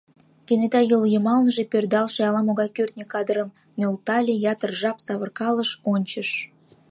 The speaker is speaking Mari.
Кенета йол йымалныже пӧрдалше ала-могай кӱртньӧ кадырым нӧлтале, ятыр жап савыркалыш, ончыш.